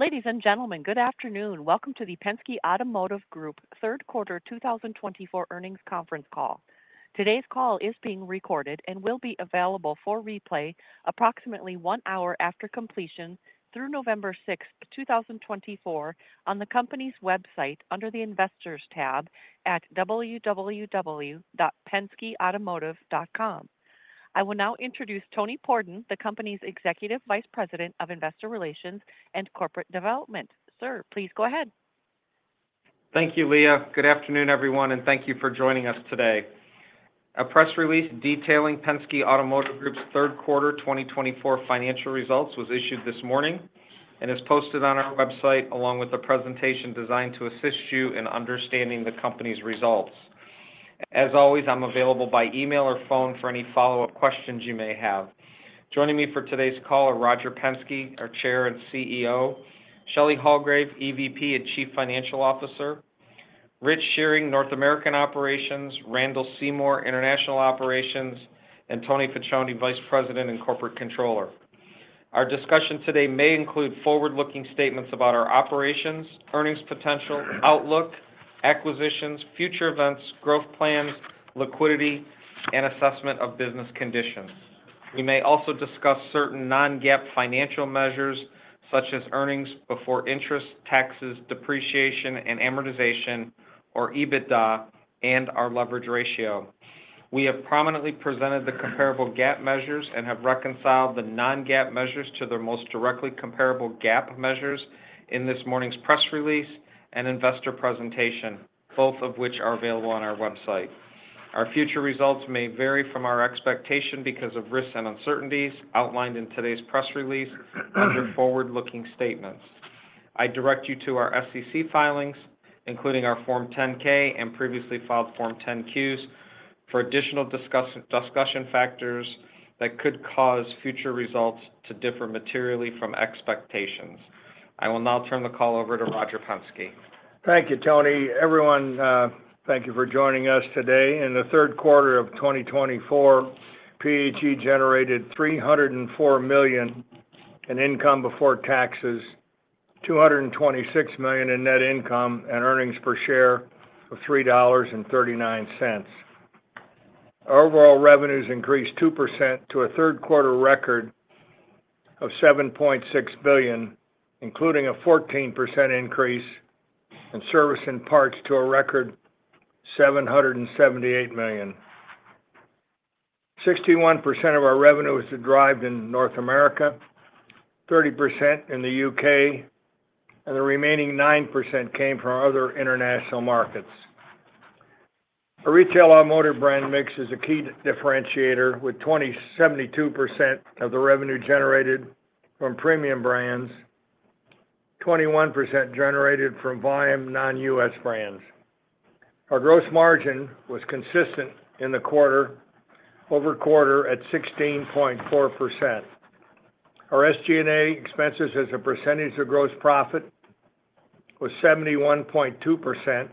Ladies and gentlemen, good afternoon. Welcome to the Penske Automotive Group Third Quarter 2024 Earnings Conference Call. Today's call is being recorded and will be available for replay approximately one hour after completion through November 6th, 2024, on the company's website under the Investors tab at www.penskeautomotive.com. I will now introduce Tony Pordon, the company's executive vice president of investor relations and corporate development. Sir, please go ahead. Thank you, Leah. Good afternoon, everyone, and thank you for joining us today. A press release detailing Penske Automotive Group's Third Quarter 2024 financial results was issued this morning and is posted on our website along with a presentation designed to assist you in understanding the company's results. As always, I'm available by email or phone for any follow-up questions you may have. Joining me for today's call are Roger Penske, our Chair and CEO, Shelley Hulgrave, EVP and Chief Financial Officer, Rich Shearing, North American Operations, Randall Seymore, International Operations, and Tony Facione, Vice President and Corporate Controller. Our discussion today may include forward-looking statements about our operations, earnings potential, outlook, acquisitions, future events, growth plans, liquidity, and assessment of business conditions. We may also discuss certain non-GAAP financial measures such as earnings before interest, taxes, depreciation, and amortization, or EBITDA, and our leverage ratio. We have prominently presented the comparable GAAP measures and have reconciled the non-GAAP measures to their most directly comparable GAAP measures in this morning's press release and investor presentation, both of which are available on our website. Our future results may vary from our expectation because of risks and uncertainties outlined in today's press release under forward-looking statements. I direct you to our SEC filings, including our Form 10-K and previously filed Form 10-Qs, for additional discussion factors that could cause future results to differ materially from expectations. I will now turn the call over to Roger Penske. Thank you, Tony. Everyone, thank you for joining us today. In the third quarter of 2024, PAG generated $304 million in income before taxes, $226 million in net income, and earnings per share of $3.39. Overall revenues increased 2% to a third-quarter record of $7.6 billion, including a 14% increase in service and parts to a record $778 million. 61% of our revenue was derived in North America, 30% in the U.K., and the remaining 9% came from other international markets. Our retail automotive brand mix is a key differentiator, with 72% of the revenue generated from premium brands and 21% generated from volume non-U.S. brands. Our gross margin was consistent quarter-over-quarter at 16.4%. Our SG&A expenses as a percentage of gross profit was 71.2%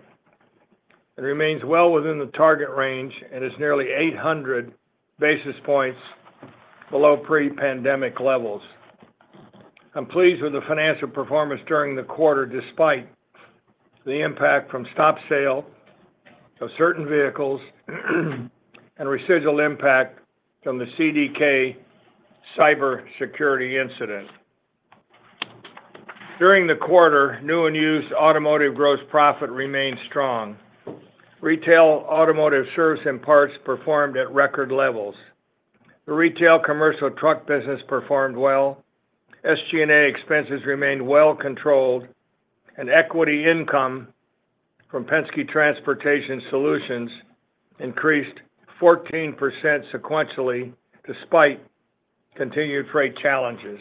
and remains well within the target range and is nearly 800 basis points below pre-pandemic levels. I'm pleased with the financial performance during the quarter despite the impact from stop sale of certain vehicles and residual impact from the CDK cybersecurity incident. During the quarter, new and used automotive gross profit remained strong. Retail automotive service and parts performed at record levels. The retail commercial truck business performed well. SG&A expenses remained well controlled, and equity income from Penske Transportation Solutions increased 14% sequentially despite continued freight challenges.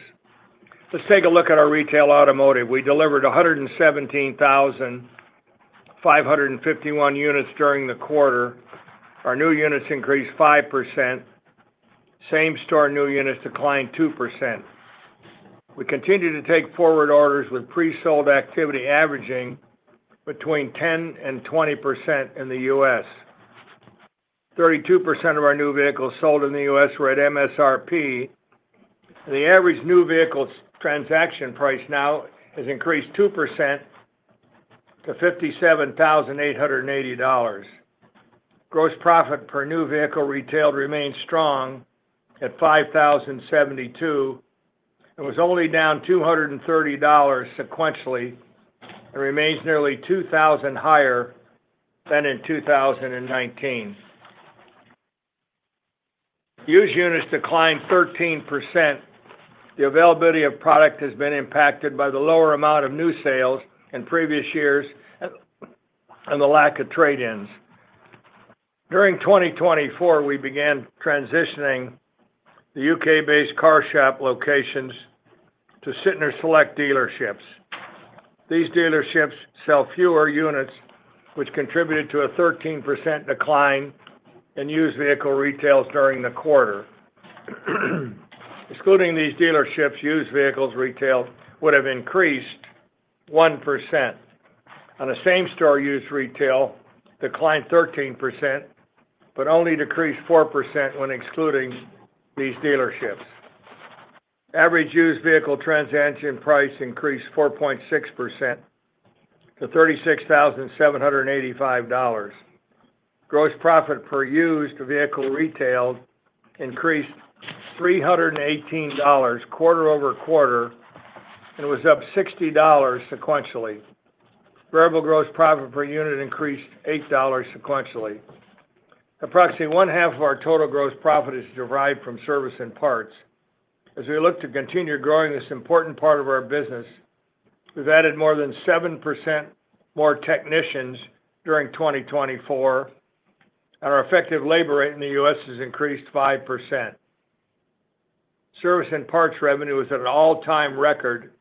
Let's take a look at our retail automotive. We delivered 117,551 units during the quarter. Our new units increased 5%. Same-store new units declined 2%. We continue to take forward orders with pre-sold activity averaging between 10%-20% in the U.S. 32% of our new vehicles sold in the U.S. were at MSRP, and the average new vehicle transaction price now has increased 2% to $57,880. Gross profit per new vehicle retailed remains strong at $5,072 and was only down $230 sequentially and remains nearly 2,000 higher than in 2019. Used units declined 13%. The availability of product has been impacted by the lower amount of new sales in previous years and the lack of trade-ins. During 2024, we began transitioning the U.K.-based CarShop locations to Sytner Select dealerships. These dealerships sell fewer units, which contributed to a 13% decline in used vehicle retails during the quarter. Excluding these dealerships, used vehicles retail would have increased 1%. On the same-store used retail, it declined 13% but only decreased 4% when excluding these dealerships. Average used vehicle transaction price increased 4.6% to $36,785. Gross profit per used vehicle retailed increased $318 quarter over quarter and was up $60 sequentially. Variable gross profit per unit increased $8 sequentially. Approximately one-half of our total gross profit is derived from service and parts. As we look to continue growing this important part of our business, we've added more than 7% more technicians during 2024, and our effective labor rate in the U.S. has increased 5%. Service and parts revenue was at an all-time record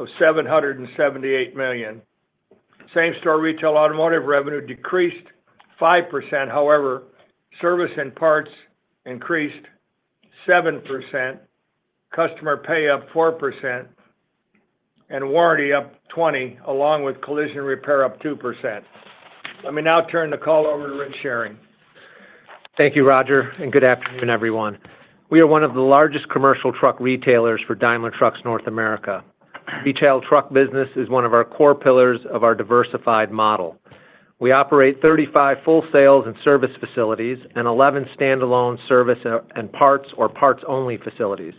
of $778 million. Same-store retail automotive revenue decreased 5%; however, service and parts increased 7%, customer pay up 4%, and warranty up 20%, along with collision repair up 2%. Let me now turn the call over to Rich Shearing. Thank you, Roger, and good afternoon, everyone. We are one of the largest commercial truck retailers for Daimler Trucks North America. Retail truck business is one of our core pillars of our diversified model. We operate 35 full sales and service facilities and 11 standalone service and parts or parts-only facilities.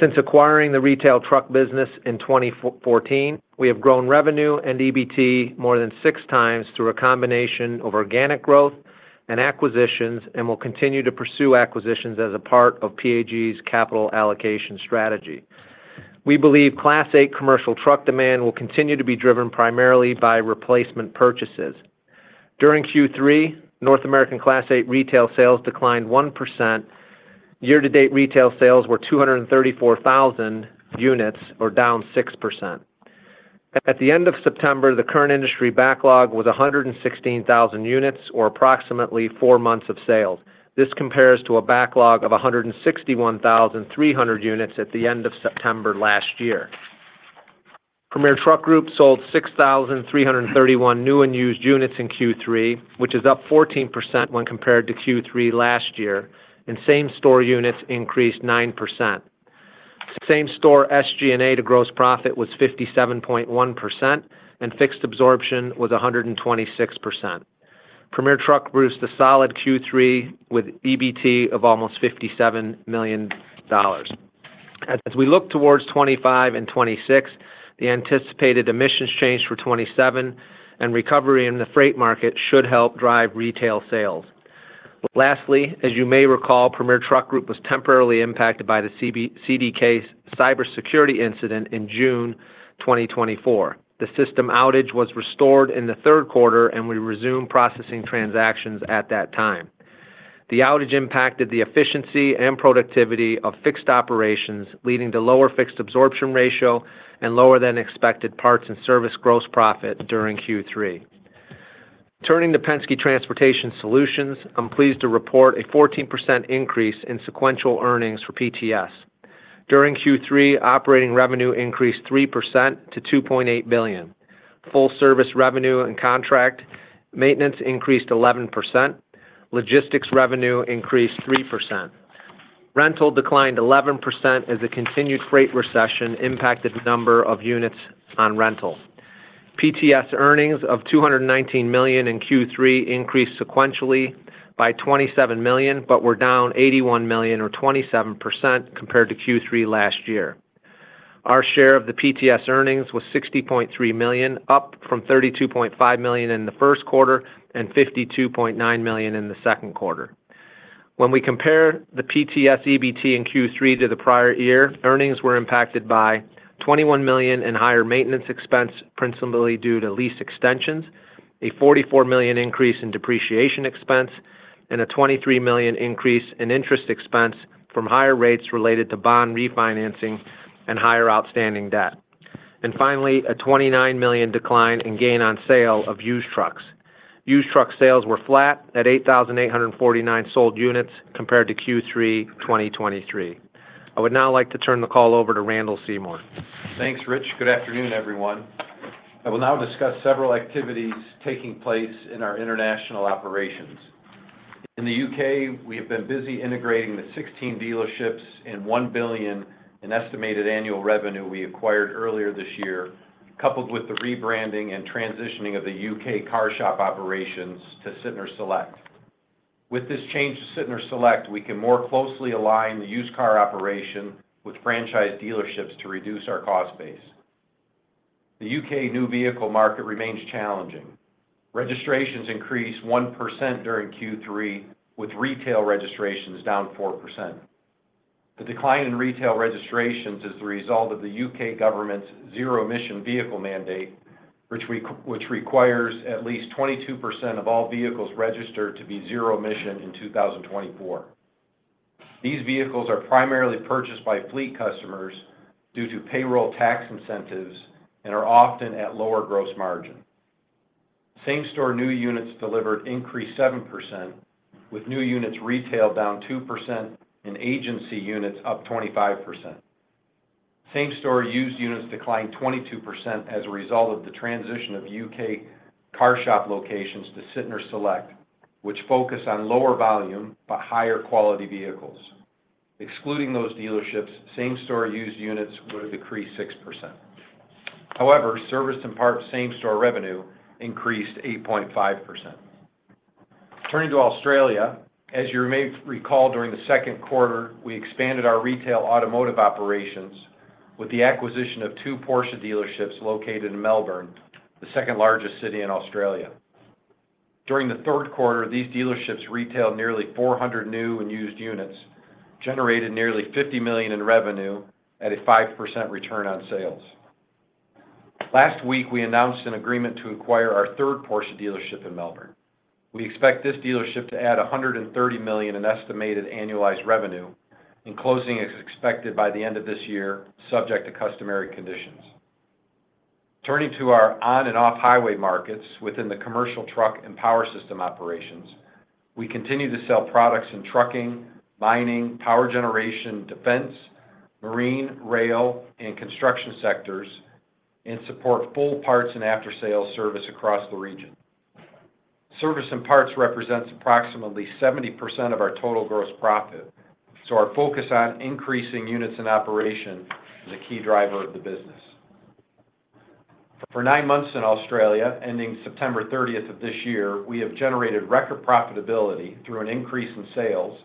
Since acquiring the retail truck business in 2014, we have grown revenue and EBT more than six times through a combination of organic growth and acquisitions and will continue to pursue acquisitions as a part of PAG's capital allocation strategy. We believe Class 8 commercial truck demand will continue to be driven primarily by replacement purchases. During Q3, North American Class 8 retail sales declined 1%. Year-to-date retail sales were 234,000 units, or down 6%. At the end of September, the current industry backlog was 116,000 units, or approximately four months of sales. This compares to a backlog of 161,300 units at the end of September last year. Premier Truck Group sold 6,331 new and used units in Q3, which is up 14% when compared to Q3 last year, and same-store units increased 9%. Same-store SG&A to gross profit was 57.1%, and fixed absorption was 126%. Premier Truck boosts a solid Q3 with EBT of almost $57 million. As we look towards 2025 and 2026, the anticipated emissions change for 2027 and recovery in the freight market should help drive retail sales. Lastly, as you may recall, Premier Truck Group was temporarily impacted by the CDK cybersecurity incident in June 2024. The system outage was restored in the third quarter, and we resumed processing transactions at that time. The outage impacted the efficiency and productivity of fixed operations, leading to lower fixed absorption ratio and lower-than-expected parts and service gross profit during Q3. Turning to Penske Transportation Solutions, I'm pleased to report a 14% increase in sequential earnings for PTS. During Q3, operating revenue increased 3% to $2.8 billion. Full-service revenue and contract maintenance increased 11%. Logistics revenue increased 3%. Rental declined 11% as the continued freight recession impacted the number of units on rental. PTS earnings of $219 million in Q3 increased sequentially by $27 million but were down $81 million, or 27%, compared to Q3 last year. Our share of the PTS earnings was $60.3 million, up from $32.5 million in the first quarter and $52.9 million in the second quarter. When we compare the PTS EBT in Q3 to the prior year, earnings were impacted by $21 million in higher maintenance expense, principally due to lease extensions, a $44 million increase in depreciation expense, and a $23 million increase in interest expense from higher rates related to bond refinancing and higher outstanding debt, and finally, a $29 million decline in gain on sale of used trucks. Used truck sales were flat at 8,849 sold units compared to Q3 2023. I would now like to turn the call over to Randall Seymore. Thanks, Rich. Good afternoon, everyone. I will now discuss several activities taking place in our international operations. In the U.K., we have been busy integrating the 16 dealerships and $1 billion in estimated annual revenue we acquired earlier this year, coupled with the rebranding and transitioning of the U.K. CarShop operations to Sytner Select. With this change to Sytner Select, we can more closely align the used car operation with franchise dealerships to reduce our cost base. The U.K. new vehicle market remains challenging. Registrations increased 1% during Q3, with retail registrations down 4%. The decline in retail registrations is the result of the U.K. government's zero-emission vehicle mandate, which requires at least 22% of all vehicles registered to be zero-emission in 2024. These vehicles are primarily purchased by fleet customers due to payroll tax incentives and are often at lower gross margin. Same-store new units delivered increased 7%, with new units retailed down 2% and agency units up 25%. Same-store used units declined 22% as a result of the transition of UK CarShop locations to Sytner Select, which focus on lower volume but higher quality vehicles. Excluding those dealerships, same-store used units would have decreased 6%. However, service and parts same-store revenue increased 8.5%. Turning to Australia, as you may recall, during the second quarter, we expanded our retail automotive operations with the acquisition of two Porsche dealerships located in Melbourne, the second largest city in Australia. During the third quarter, these dealerships retailed nearly 400 new and used units, generated nearly $50 million in revenue at a 5% return on sales. Last week, we announced an agreement to acquire our third Porsche dealership in Melbourne. We expect this dealership to add $130 million in estimated annualized revenue, and closing is expected by the end of this year, subject to customary conditions. Turning to our on- and off-highway markets within the commercial truck and power system operations, we continue to sell products in trucking, mining, power generation, defense, marine, rail, and construction sectors and support full parts and after-sales service across the region. Service and parts represents approximately 70% of our total gross profit, so our focus on increasing units in operation is a key driver of the business. For nine months in Australia, ending September 30th of this year, we have generated record profitability through an increase in sales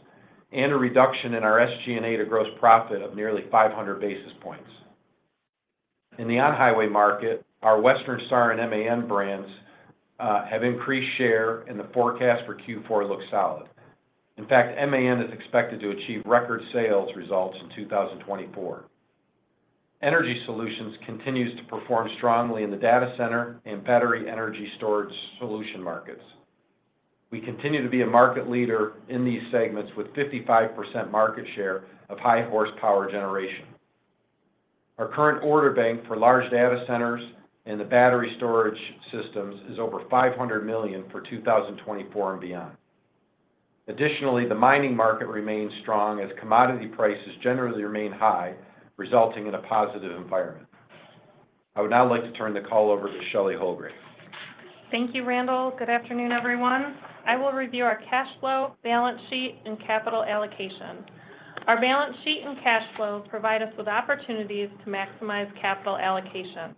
and a reduction in our SG&A to gross profit of nearly 500 basis points. In the on-highway market, our Western Star and MAN brands have increased share, and the forecast for Q4 looks solid. In fact, MAN is expected to achieve record sales results in 2024. Energy Solutions continues to perform strongly in the data center and battery energy storage solution markets. We continue to be a market leader in these segments with 55% market share of high-horsepower generation. Our current order bank for large data centers and the battery storage systems is over $500 million for 2024 and beyond. Additionally, the mining market remains strong as commodity prices generally remain high, resulting in a positive environment. I would now like to turn the call over to Shelley Hulgrave. Thank you, Randall. Good afternoon, everyone. I will review our cash flow, balance sheet, and capital allocation. Our balance sheet and cash flow provide us with opportunities to maximize capital allocation.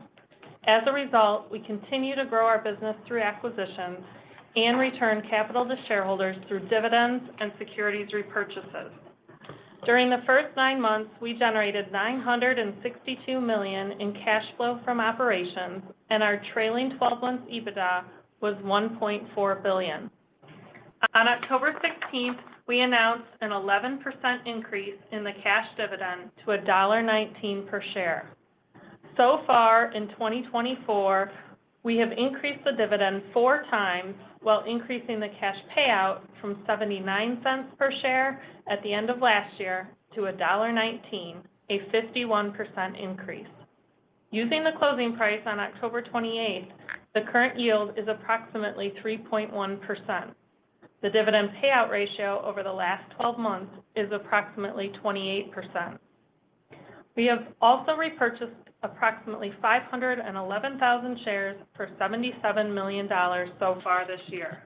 As a result, we continue to grow our business through acquisitions and return capital to shareholders through dividends and securities repurchases. During the first nine months, we generated $962 million in cash flow from operations, and our trailing 12-month EBITDA was $1.4 billion. On October 16th, we announced an 11% increase in the cash dividend to $1.19 per share. So far in 2024, we have increased the dividend four times while increasing the cash payout from $0.79 per share at the end of last year to $1.19, a 51% increase. Using the closing price on October 28th, the current yield is approximately 3.1%. The dividend payout ratio over the last 12 months is approximately 28%. We have also repurchased approximately 511,000 shares for $77 million so far this year.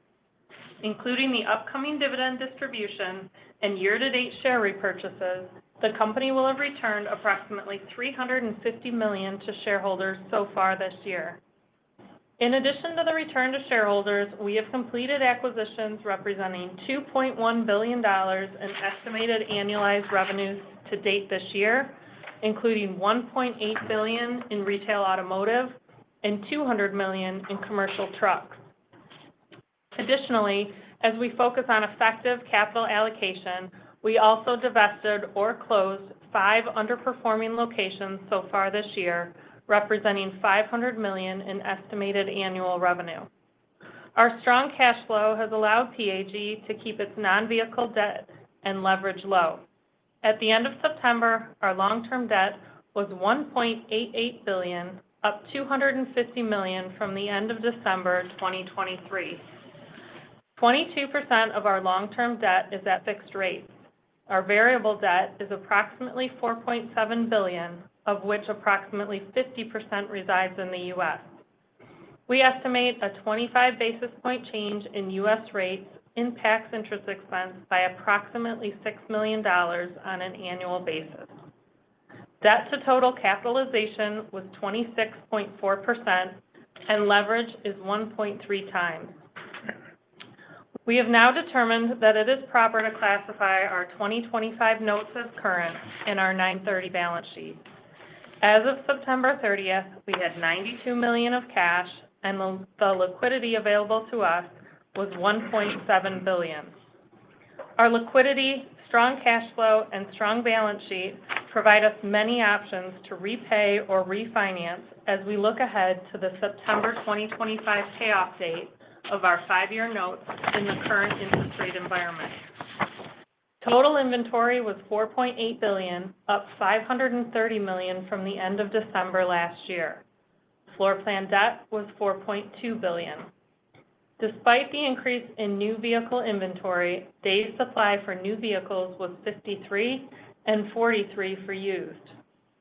Including the upcoming dividend distribution and year-to-date share repurchases, the company will have returned approximately $350 million to shareholders so far this year. In addition to the return to shareholders, we have completed acquisitions representing $2.1 billion in estimated annualized revenues to date this year, including $1.8 billion in retail automotive and $200 million in commercial trucks. Additionally, as we focus on effective capital allocation, we also divested or closed five underperforming locations so far this year, representing $500 million in estimated annual revenue. Our strong cash flow has allowed PAG to keep its non-vehicle debt and leverage low. At the end of September, our long-term debt was $1.88 billion, up $250 million from the end of December 2023. 22% of our long-term debt is at fixed rates. Our variable debt is approximately $4.7 billion, of which approximately 50% resides in the U.S. We estimate a 25 basis point change in U.S. rates impacts interest expense by approximately $6 million on an annual basis. Debt-to-total capitalization was 26.4%, and leverage is 1.3 times. We have now determined that it is proper to classify our 2025 notes as current in our 9/30 balance sheet. As of September 30th, we had $92 million of cash, and the liquidity available to us was $1.7 billion. Our liquidity, strong cash flow, and strong balance sheet provide us many options to repay or refinance as we look ahead to the September 2025 payoff date of our five-year notes in the current interest rate environment. Total inventory was $4.8 billion, up $530 million from the end of December last year. Floor plan debt was $4.2 billion. Despite the increase in new vehicle inventory, days supply for new vehicles was 53 and 43 for used.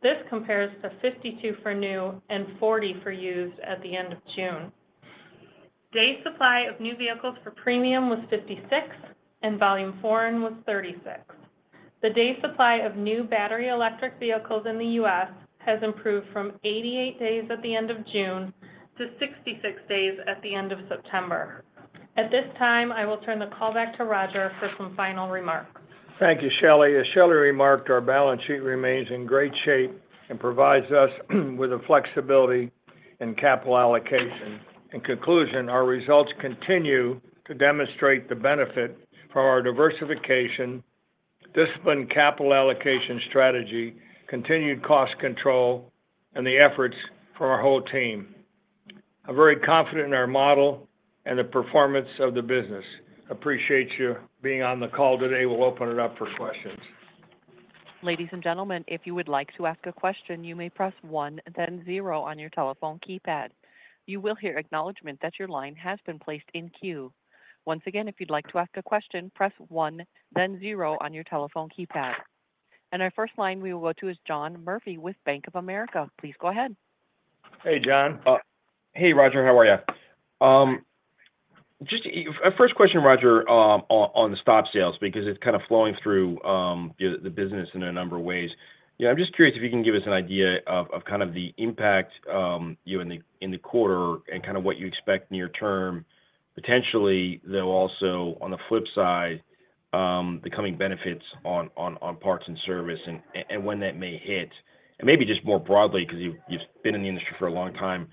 This compares to 52 for new and 40 for used at the end of June. Days supply of new vehicles for premium was 56, and volume foreign was 36. The days supply of new battery electric vehicles in the U.S. has improved from 88 days at the end of June to 66 days at the end of September. At this time, I will turn the call back to Roger for some final remarks. Thank you, Shelley. As Shelley remarked, our balance sheet remains in great shape and provides us with flexibility in capital allocation. In conclusion, our results continue to demonstrate the benefit from our diversification, disciplined capital allocation strategy, continued cost control, and the efforts from our whole team. I'm very confident in our model and the performance of the business. Appreciate you being on the call today. We'll open it up for questions. Ladies and gentlemen, if you would like to ask a question, you may press one, then zero on your telephone keypad. You will hear acknowledgment that your line has been placed in queue. Once again, if you'd like to ask a question, press one, then zero on your telephone keypad. And our first line we will go to is John Murphy with Bank of America. Please go ahead. Hey, John. Hey, Roger. How are you? Just a first question, Roger, on the stop sales, because it's kind of flowing through the business in a number of ways. I'm just curious if you can give us an idea of kind of the impact in the quarter and kind of what you expect near-term, potentially, though also on the flip side, the coming benefits on parts and service and when that may hit. And maybe just more broadly, because you've been in the industry for a long time,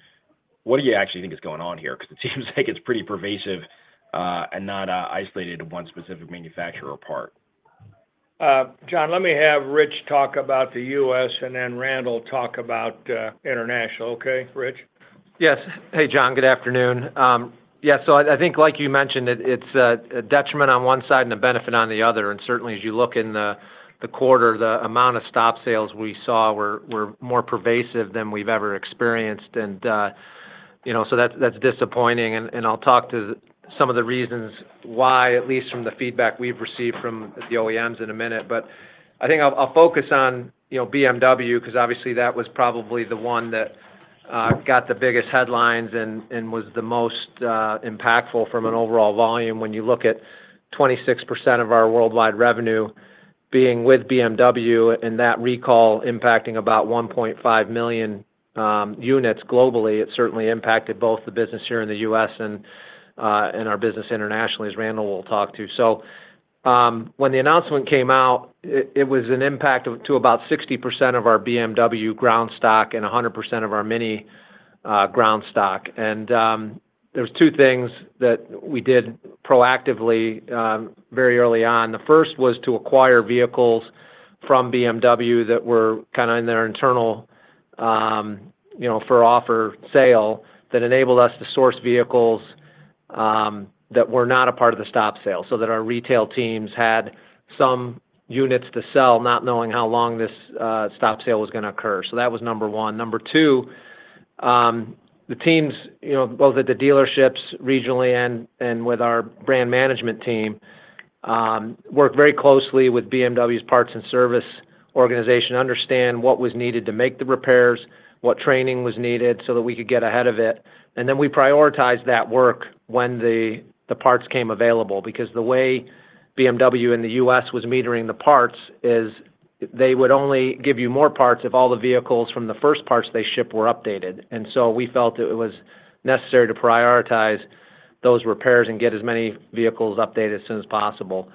what do you actually think is going on here? Because it seems like it's pretty pervasive and not isolated to one specific manufacturer or part. John, let me have Rich talk about the U.S. and then Randall talk about international. Okay, Rich? Yes. Hey, John. Good afternoon. Yeah, so I think, like you mentioned, it's a detriment on one side and a benefit on the other. And certainly, as you look in the quarter, the amount of stop sales we saw were more pervasive than we've ever experienced. And so that's disappointing. And I'll talk to some of the reasons why, at least from the feedback we've received from the OEMs in a minute. But I think I'll focus on BMW, because obviously that was probably the one that got the biggest headlines and was the most impactful from an overall volume when you look at 26% of our worldwide revenue being with BMW and that recall impacting about 1.5 million units globally. It certainly impacted both the business here in the U.S. and our business internationally, as Randall will talk to. So when the announcement came out, it was an impact to about 60% of our BMW ground stock and 100% of our MINI ground stock. And there were two things that we did proactively very early on. The first was to acquire vehicles from BMW that were kind of in their internal for offer sale that enabled us to source vehicles that were not a part of the stop sale, so that our retail teams had some units to sell, not knowing how long this stop sale was going to occur. So that was number one. Number two, the teams, both at the dealerships regionally and with our brand management team, worked very closely with BMW's parts and service organization to understand what was needed to make the repairs, what training was needed so that we could get ahead of it. And then we prioritized that work when the parts came available, because the way BMW in the U.S. was metering the parts is they would only give you more parts if all the vehicles from the first parts they ship were updated. And so we felt it was necessary to prioritize those repairs and get as many vehicles updated as soon as possible.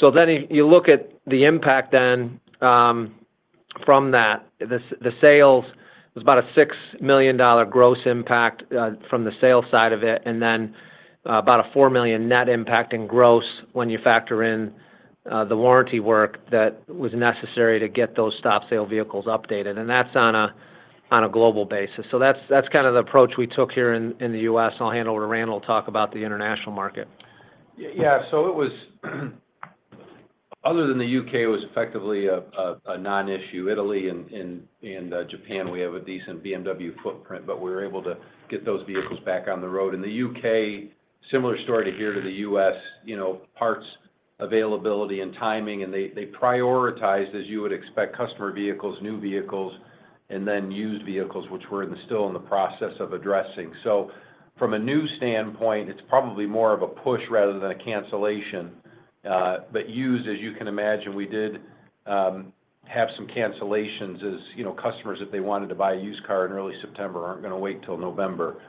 So then you look at the impact then from that. The sales was about a $6 million gross impact from the sales side of it, and then about a $4 million net impact in gross when you factor in the warranty work that was necessary to get those stop sale vehicles updated. And that's on a global basis. So that's kind of the approach we took here in the U.S. I'll hand over to Randall to talk about the international market. Yeah. So other than the U.K., it was effectively a non-issue. Italy and Japan, we have a decent BMW footprint, but we were able to get those vehicles back on the road. In the U.K., similar story to here to the U.S., parts availability and timing. And they prioritized, as you would expect, customer vehicles, new vehicles, and then used vehicles, which we're still in the process of addressing. So from a used standpoint, it's probably more of a push rather than a cancellation. But used, as you can imagine, we did have some cancellations as customers, if they wanted to buy a used car in early September, aren't going to wait till November.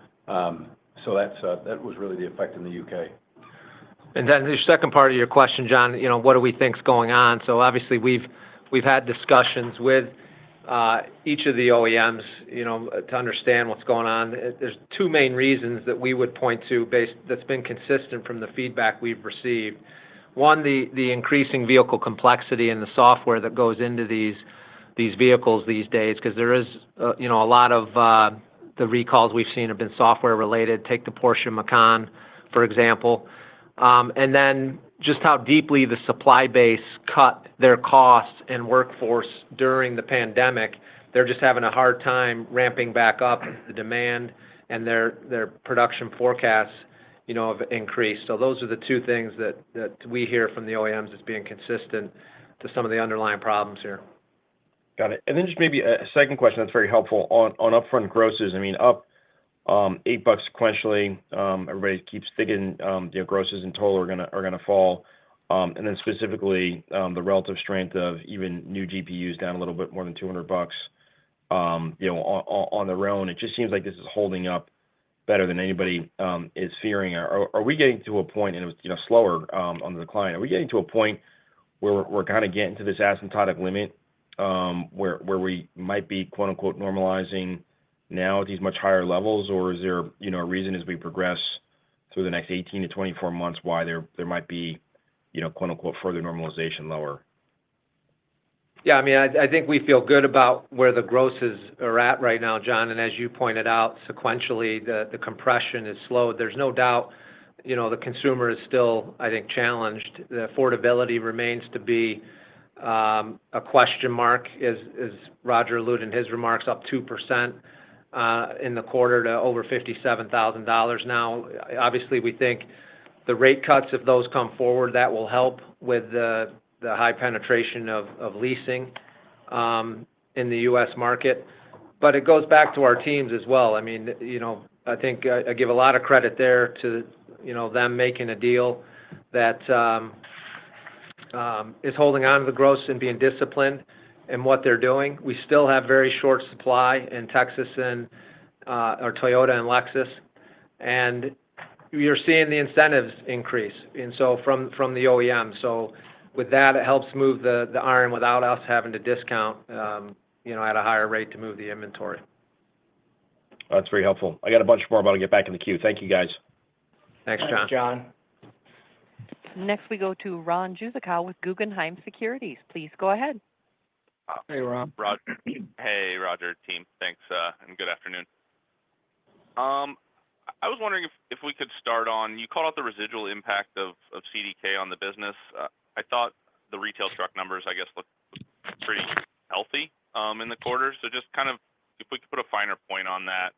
So that was really the effect in the U.K. And then the second part of your question, John, what do we think's going on? So obviously, we've had discussions with each of the OEMs to understand what's going on. There's two main reasons that we would point to that's been consistent from the feedback we've received. One, the increasing vehicle complexity and the software that goes into these vehicles these days, because there is a lot of the recalls we've seen have been software-related. Take the Porsche Macan, for example. And then just how deeply the supply base cut their costs and workforce during the pandemic. They're just having a hard time ramping back up the demand, and their production forecasts have increased. So those are the two things that we hear from the OEMs as being consistent to some of the underlying problems here. Got it. And then just maybe a second question that's very helpful on upfront grosses. I mean, up $8 sequentially, everybody keeps thinking grosses in total are going to fall. And then specifically, the relative strength of even new GPUs down a little bit more than $200 on their own. It just seems like this is holding up better than anybody is fearing. Are we getting to a point, and it's slower on the decline, are we getting to a point where we're kind of getting to this asymptotic limit where we might be "normalizing" now at these much higher levels, or is there a reason as we progress through the next 18-24 months why there might be "further normalization" lower? Yeah. I mean, I think we feel good about where the grosses are at right now, John. And as you pointed out, sequentially, the compression is slowed. There's no doubt the consumer is still, I think, challenged. The affordability remains to be a question mark, as Roger alluded in his remarks, up 2% in the quarter to over $57,000 now. Obviously, we think the rate cuts, if those come forward, that will help with the high penetration of leasing in the U.S. market. But it goes back to our teams as well. I mean, I think I give a lot of credit there to them making a deal that is holding on to the gross and being disciplined in what they're doing. We still have very short supply in Texas and/or Toyota and Lexus. And you're seeing the incentives increase from the OEM. So with that, it helps move the iron without us having to discount at a higher rate to move the inventory. That's very helpful. I got a bunch more about to get back in the queue. Thank you, guys. Thanks, John. Thanks, John. Next, we go to Ron Jewsikow with Guggenheim Securities. Please go ahead. Hey, Ron. Roger. Hey, Roger, team. Thanks and good afternoon. I was wondering if we could start on you called out the residual impact of CDK on the business. I thought the retail truck numbers, I guess, looked pretty healthy in the quarter. So just kind of if we could put a finer point on that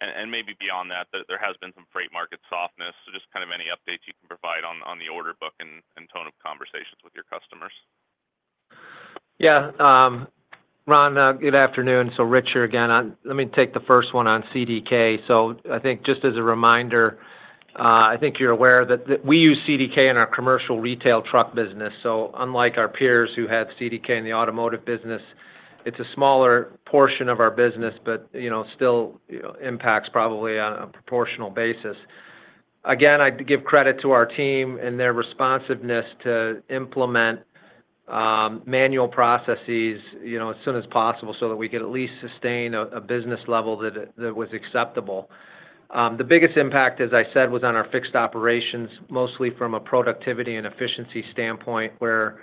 and maybe beyond that, that there has been some freight market softness. So just kind of any updates you can provide on the order book and tone of conversations with your customers. Yeah. Ron, good afternoon. So Rich here again. Let me take the first one on CDK. So I think just as a reminder, I think you're aware that we use CDK in our commercial retail truck business. So unlike our peers who had CDK in the automotive business, it's a smaller portion of our business, but still impacts probably on a proportional basis. Again, I give credit to our team and their responsiveness to implement manual processes as soon as possible so that we could at least sustain a business level that was acceptable. The biggest impact, as I said, was on our fixed operations, mostly from a productivity and efficiency standpoint, where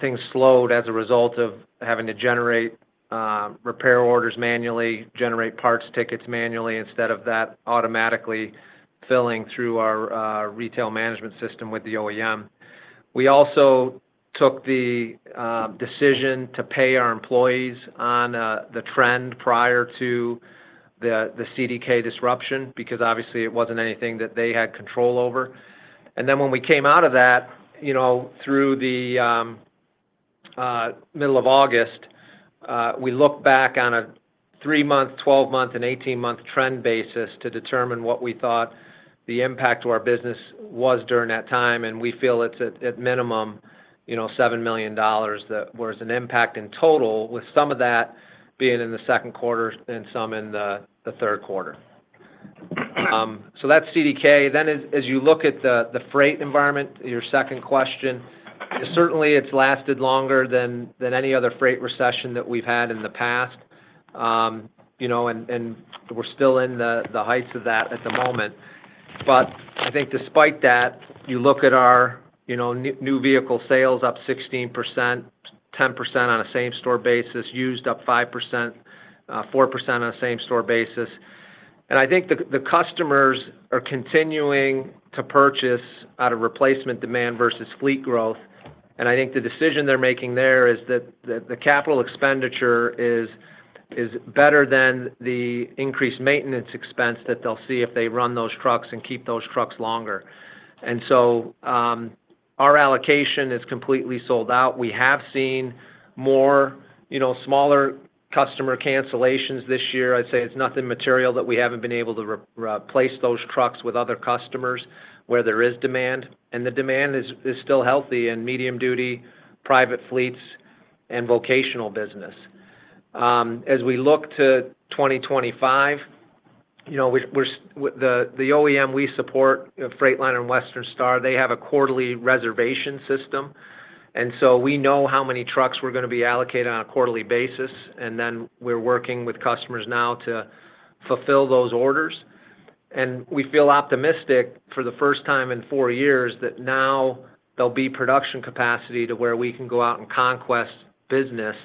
things slowed as a result of having to generate repair orders manually, generate parts tickets manually instead of that automatically filling through our retail management system with the OEM. We also took the decision to pay our employees on the trend prior to the CDK disruption because obviously it wasn't anything that they had control over, and then when we came out of that through the middle of August, we looked back on a 3-month, 12-month, and 18-month trend basis to determine what we thought the impact of our business was during that time, and we feel it's at minimum $7 million, whereas an impact in total with some of that being in the second quarter and some in the third quarter, so that's CDK. Then as you look at the freight environment, your second question, certainly it's lasted longer than any other freight recession that we've had in the past, and we're still in the heights of that at the moment. But I think despite that, you look at our new vehicle sales up 16%, 10% on a same-store basis, used up 5%, 4% on a same-store basis. And I think the customers are continuing to purchase out of replacement demand versus fleet growth. And I think the decision they're making there is that the capital expenditure is better than the increased maintenance expense that they'll see if they run those trucks and keep those trucks longer. And so our allocation is completely sold out. We have seen more smaller customer cancellations this year. I'd say it's nothing material that we haven't been able to replace those trucks with other customers where there is demand. And the demand is still healthy in medium-duty private fleets and vocational business. As we look to 2025, the OEM we support, Freightliner and Western Star, they have a quarterly reservation system. And so we know how many trucks we're going to be allocating on a quarterly basis. And then we're working with customers now to fulfill those orders. And we feel optimistic for the first time in four years that now there'll be production capacity to where we can go out and conquest business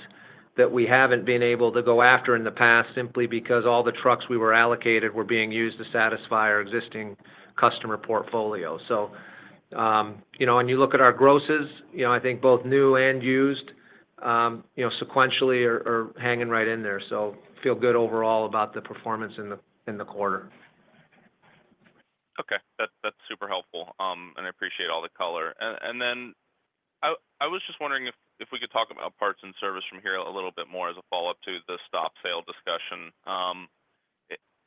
that we haven't been able to go after in the past simply because all the trucks we were allocated were being used to satisfy our existing customer portfolio. So when you look at our grosses, I think both new and used sequentially are hanging right in there. So feel good overall about the performance in the quarter. Okay. That's super helpful. And I appreciate all the color. And then I was just wondering if we could talk about parts and service from here a little bit more as a follow-up to the stop sale discussion.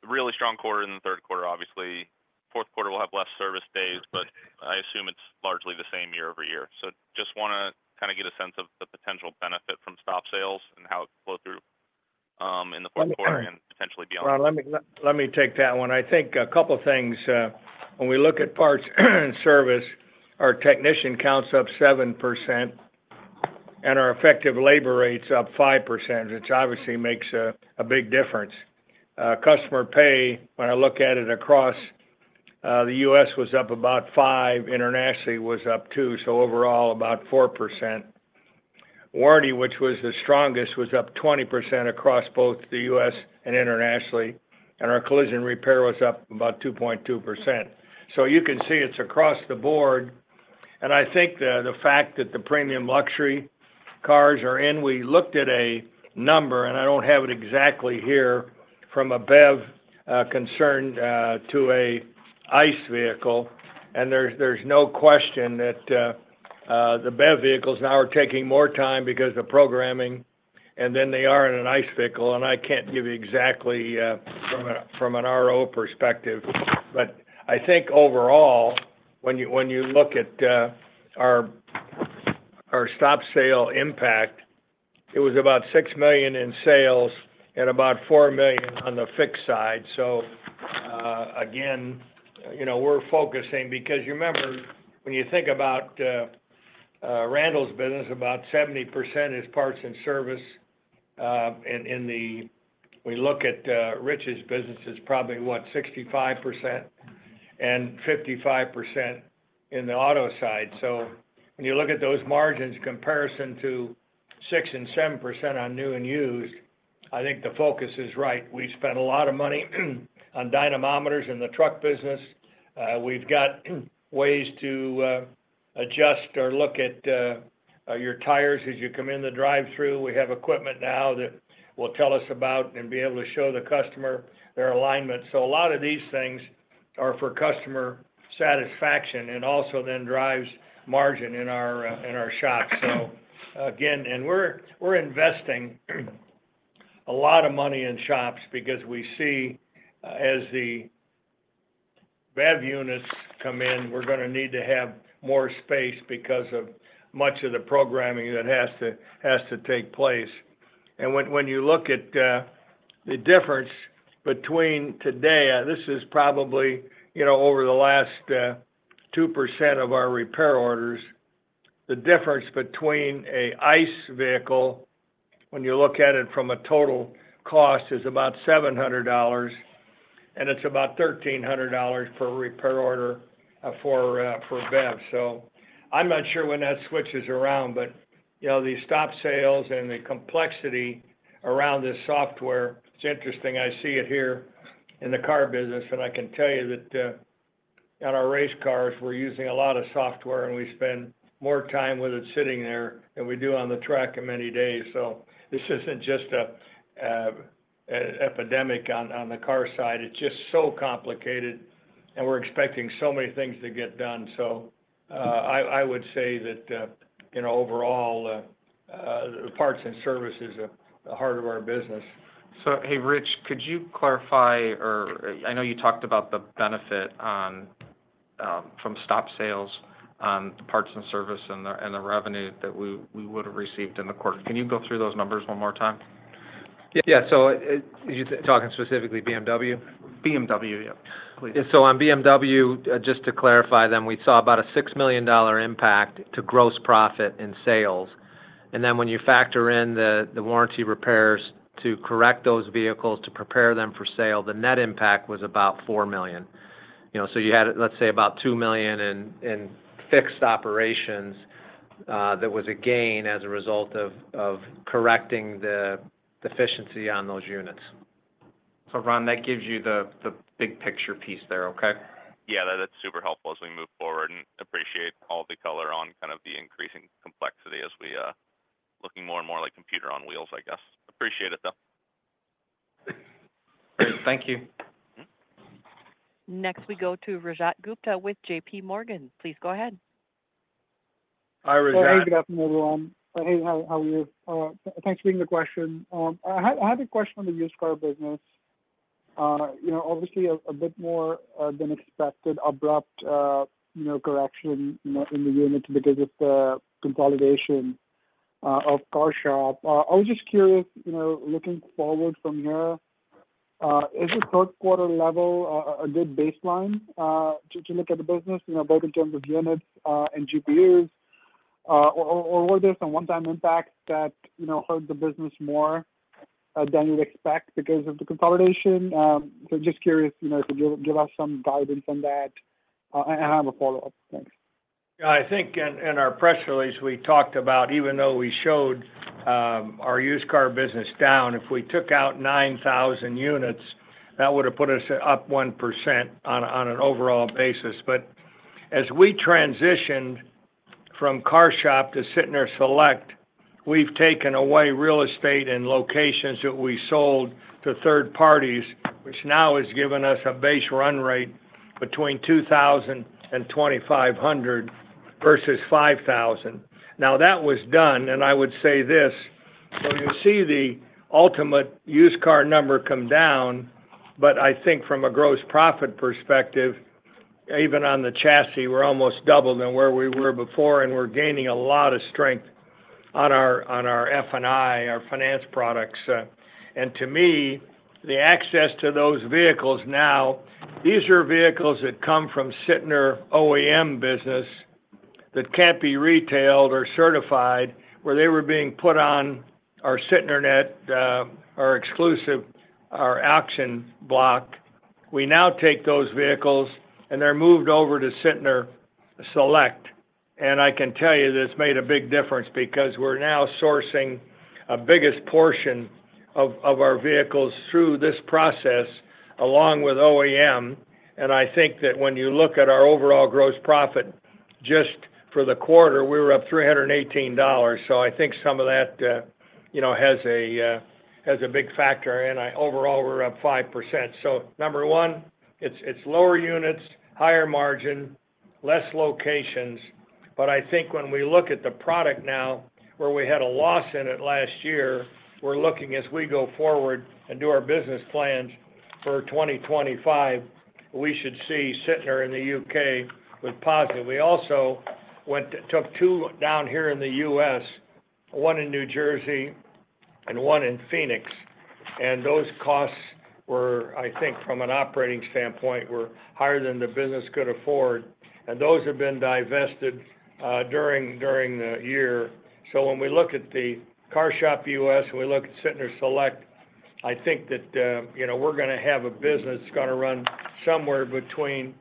Really strong quarter in the third quarter, obviously. Fourth quarter will have less service days, but I assume it's largely the same year over year. So just want to kind of get a sense of the potential benefit from stop sales and how it can flow through in the fourth quarter and potentially beyond. Let me take that one. I think a couple of things. When we look at parts and service, our technician counts up 7% and our effective labor rates up 5%, which obviously makes a big difference. Customer pay, when I look at it across the U.S., was up about 5%. Internationally, it was up 2%. So overall, about 4%. Warranty, which was the strongest, was up 20% across both the U.S. and internationally. And our collision repair was up about 2.2%. So you can see it's across the board. And I think the fact that the premium luxury cars are in, we looked at a number, and I don't have it exactly here from a BEV concern to an ICE vehicle. And there's no question that the BEV vehicles now are taking more time because of programming, and then they are in an ICE vehicle. I can't give you exactly from an RO perspective. I think overall, when you look at our stop sale impact, it was about $6 million in sales and about $4 million on the fixed side. Again, we're focusing because remember, when you think about Randall's business, about 70% is parts and service. We look at Rich's business, it's probably what, 65% and 55% in the auto side. When you look at those margins, comparison to 6% and 7% on new and used, I think the focus is right. We spent a lot of money on dynamometers in the truck business. We've got ways to adjust or look at your tires as you come in the drive-through. We have equipment now that will tell us about and be able to show the customer their alignment. So a lot of these things are for customer satisfaction and also then drives margin in our shops. So again, and we're investing a lot of money in shops because we see as the BEV units come in, we're going to need to have more space because of much of the programming that has to take place. And when you look at the difference between today, this is probably over the last 2% of our repair orders. The difference between an ICE vehicle, when you look at it from a total cost, is about $700. And it's about $1,300 per repair order for BEV. So I'm not sure when that switches around, but the stop sales and the complexity around this software, it's interesting. I see it here in the car business, and I can tell you that on our race cars, we're using a lot of software, and we spend more time with it sitting there than we do on the track in many days. So this isn't just an epidemic on the car side. It's just so complicated, and we're expecting so many things to get done. So I would say that overall, the parts and service is the heart of our business. So hey, Rich, could you clarify, or I know you talked about the benefit from stop sales, parts and service, and the revenue that we would have received in the quarter. Can you go through those numbers one more time? Yeah. Yeah. So you're talking specifically BMW? BMW, yeah. Please. So on BMW, just to clarify them, we saw about a $6 million impact to gross profit in sales. And then when you factor in the warranty repairs to correct those vehicles to prepare them for sale, the net impact was about $4 million. So you had, let's say, about $2 million in fixed operations that was a gain as a result of correcting the efficiency on those units. So Ron, that gives you the big picture piece there, okay? Yeah. That's super helpful as we move forward and appreciate all the color on kind of the increasing complexity as we are looking more and more like computer on wheels, I guess. Appreciate it, though. Thank you. Next, we go to Rajat Gupta with JPMorgan. Please go ahead. Hi, Rajat. Hey, good afternoon, everyone. Hey, how are you? Thanks for the question. I had a question on the used car business. Obviously, a bit more than expected, abrupt correction in the units because of the consolidation of CarShop. I was just curious, looking forward from here, is the third quarter level a good baseline to look at the business, both in terms of units and GPUs? Or were there some one-time impacts that hurt the business more than you'd expect because of the consolidation? So just curious if you could give us some guidance on that. And I have a follow-up. Thanks. Yeah. I think in our press release, we talked about, even though we showed our used car business down, if we took out 9,000 units, that would have put us up 1% on an overall basis. But as we transitioned from CarShop to Sytner Select, we've taken away real estate and locations that we sold to third parties, which now has given us a base run rate between 2,000 and 2,500 versus 5,000. Now, that was done, and I would say this. So you see the ultimate used car number come down, but I think from a gross profit perspective, even on the chassis, we're almost doubled than where we were before, and we're gaining a lot of strength on our F&I, our finance products. And to me, the access to those vehicles now, these are vehicles that come from Sytner OEM business that can't be retailed or certified, where they were being put on our SytnerNet, our exclusive, our auction block. We now take those vehicles, and they're moved over to Sytner Select. And I can tell you this made a big difference because we're now sourcing a biggest portion of our vehicles through this process along with OEM. And I think that when you look at our overall gross profit, just for the quarter, we were up $318. So I think some of that has a big factor. And overall, we're up 5%. So number one, it's lower units, higher margin, less locations. But I think when we look at the product now, where we had a loss in it last year, we're looking as we go forward and do our business plans for 2025, we should see Sytner in the UK with positive. We also took two down here in the US, one in New Jersey and one in Phoenix. And those costs were, I think, from an operating standpoint, were higher than the business could afford. And those have been divested during the year. So when we look at the CarShop US, when we look at Sytner Select, I think that we're going to have a business that's going to run somewhere between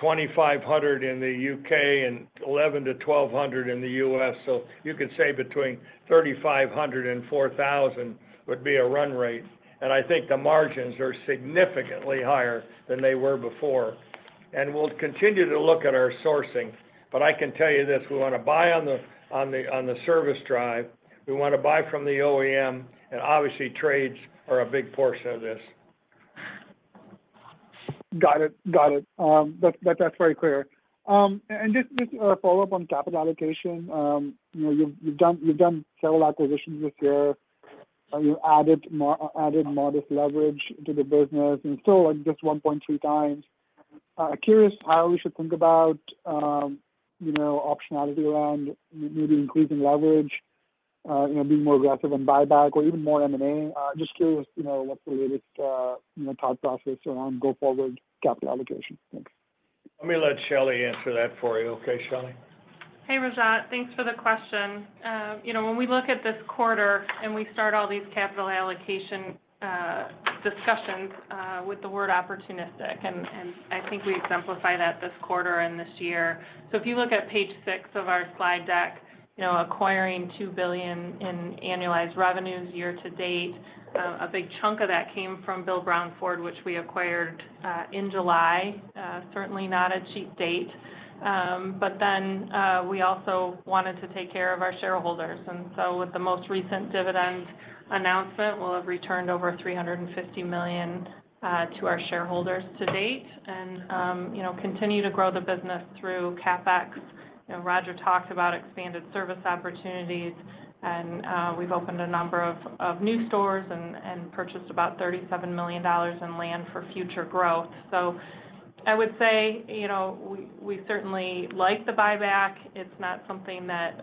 2,500 in the U.K. and 11 to 1,200 in the US. So you could say between 3,500 and 4,000 would be a run rate. And I think the margins are significantly higher than they were before. We'll continue to look at our sourcing. I can tell you this. We want to buy on the service drive. We want to buy from the OEM. Obviously, trades are a big portion of this. Got it. Got it. That's very clear. And just a follow-up on capital allocation. You've done several acquisitions this year. You've added modest leverage to the business. And still, just 1.3 times. Curious how we should think about optionality around maybe increasing leverage, being more aggressive on buyback, or even more M&A? Just curious what's the latest thought process around go forward capital allocation? Thanks. Let me let Shelley answer that for you, okay, Shelley? Hey, Rajat. Thanks for the question. When we look at this quarter and we start all these capital allocation discussions with the word opportunistic, and I think we exemplify that this quarter and this year. So if you look at page six of our slide deck, acquiring $2 billion in annualized revenues year to date, a big chunk of that came from Bill Brown Ford, which we acquired in July. Certainly not a cheap date. But then we also wanted to take care of our shareholders. And so with the most recent dividend announcement, we'll have returned over $350 million to our shareholders to date and continue to grow the business through CapEx. Roger talked about expanded service opportunities, and we've opened a number of new stores and purchased about $37 million in land for future growth. So I would say we certainly like the buyback. It's not something that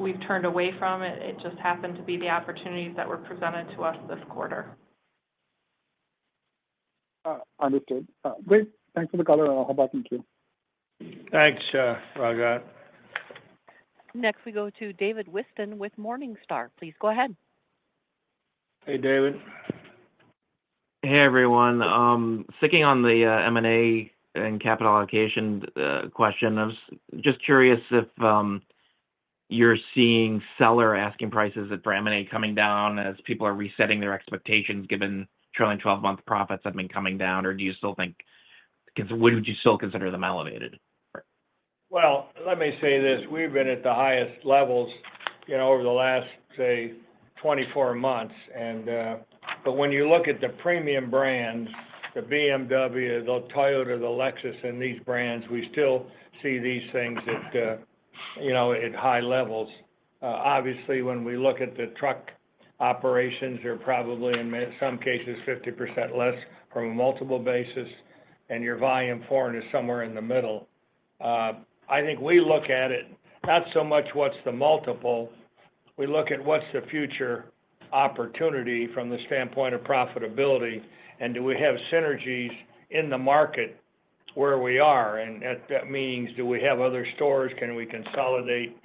we've turned away from. It just happened to be the opportunities that were presented to us this quarter. Understood. Great. Thanks for the color, and I'll hop off and kill. Thanks, Rajat. Next, we go to David Whiston with Morningstar. Please go ahead. Hey, David. Hey, everyone. Sticking on the M&A and capital allocation question, I was just curious if you're seeing seller asking prices for M&A coming down as people are resetting their expectations given trailing 12-month profits have been coming down, or do you still think would you still consider them elevated? Well, let me say this. We've been at the highest levels over the last, say, 24 months. But when you look at the premium brands, the BMW, the Toyota, the Lexus, and these brands, we still see these things at high levels. Obviously, when we look at the truck operations, they're probably in some cases 50% less from a multiple basis, and our volume foreign is somewhere in the middle. I think we look at it not so much what's the multiple. We look at what's the future opportunity from the standpoint of profitability, and do we have synergies in the market where we are? And that means do we have other stores? Can we consolidate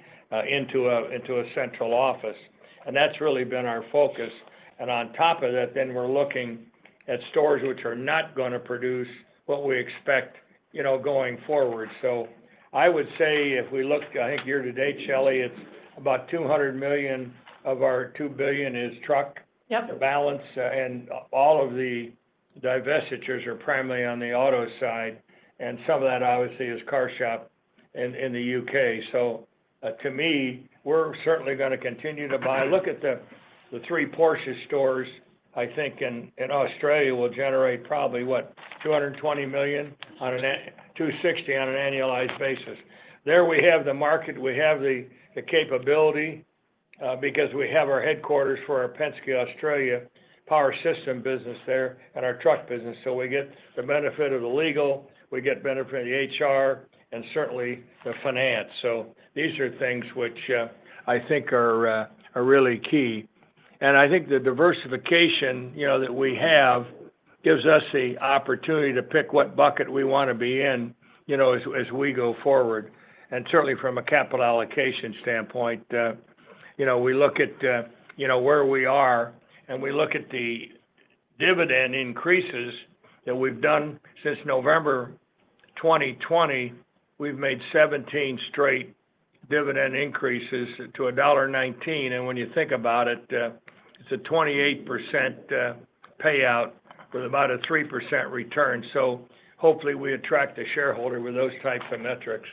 into a central office? And that's really been our focus. And on top of that, then we're looking at stores which are not going to produce what we expect going forward. So I would say if we look. I think year to date, Shelley, it's about $200 million of our $2 billion is truck balance, and all of the divestitures are primarily on the auto side. And some of that, obviously, is CarShop in the UK. So to me, we're certainly going to continue to buy. Look at the three Porsche stores. I think in Australia will generate probably what, $220 million on an $260 on an annualized basis. There we have the market. We have the capability because we have our headquarters for our Penske Australia power system business there and our truck business. So we get the benefit of the legal. We get benefit of the HR and certainly the finance. So these are things which I think are really key. And I think the diversification that we have gives us the opportunity to pick what bucket we want to be in as we go forward. And certainly from a capital allocation standpoint, we look at where we are, and we look at the dividend increases that we've done since November 2020. We've made 17 straight dividend increases to $1.19. And when you think about it, it's a 28% payout with about a 3% return. So hopefully, we attract the shareholder with those types of metrics.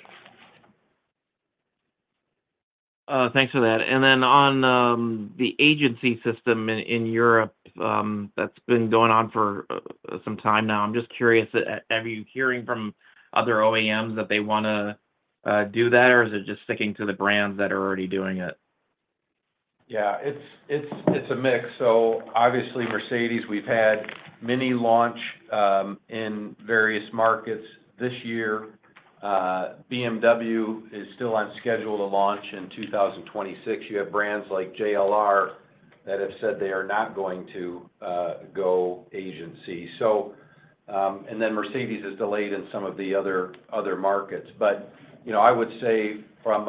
Thanks for that. And then on the agency system in Europe, that's been going on for some time now. I'm just curious, are you hearing from other OEMs that they want to do that, or is it just sticking to the brands that are already doing it? Yeah. It's a mix. So obviously, Mercedes, we've had many launches in various markets this year. BMW is still on schedule to launch in 2026. You have brands like JLR that have said they are not going to go agency. And then Mercedes is delayed in some of the other markets. But I would say from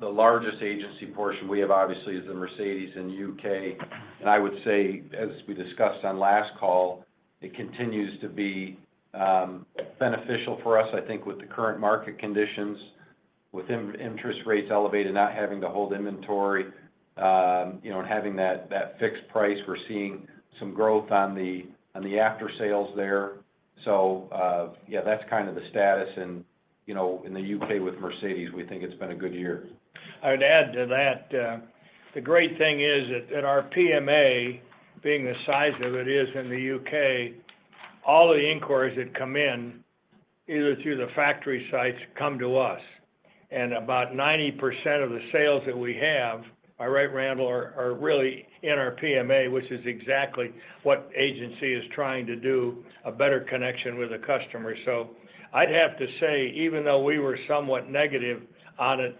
the largest agency portion we have, obviously, is the Mercedes in the U.K. And I would say, as we discussed on last call, it continues to be beneficial for us, I think, with the current market conditions, with interest rates elevated, not having to hold inventory, and having that fixed price. We're seeing some growth on the after-sales there. So yeah, that's kind of the status. And in the U.K. with Mercedes, we think it's been a good year. I would add to that. The great thing is that our PMA, being the size of it, is in the U.K. All the inquiries that come in either through the factory sites come to us, and about 90% of the sales that we have, all right, Randall, are really in our PMA, which is exactly what agency is trying to do, a better connection with the customer, so I'd have to say, even though we were somewhat negative on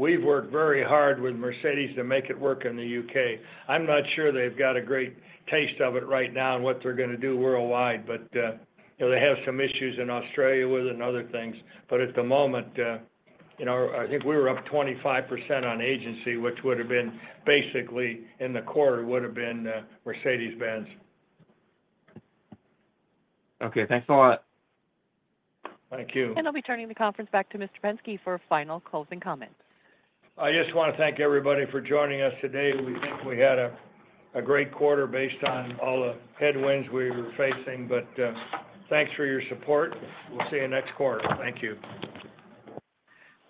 it, we've worked very hard with Mercedes to make it work in the U.K. I'm not sure they've got a great taste of it right now and what they're going to do worldwide, but they have some issues in Australia with it and other things, but at the moment, I think we were up 25% on agency, which would have been basically in the quarter: Mercedes-Benz. Okay. Thanks a lot. Thank you. I'll be turning the conference back to Mr. Penske for final closing comments. I just want to thank everybody for joining us today. We think we had a great quarter based on all the headwinds we were facing. But thanks for your support. We'll see you next quarter. Thank you.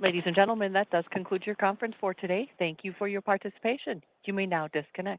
Ladies and gentlemen, that does conclude your conference for today. Thank you for your participation. You may now disconnect.